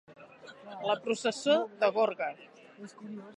La processó de Gorga.